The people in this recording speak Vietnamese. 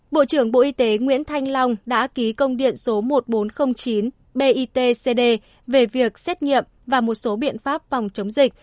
bộ trưởng bộ y tế nguyễn thanh long đã ký công điện số một nghìn bốn trăm linh chín bitcd về việc xét nghiệm và một số biện pháp phòng chống dịch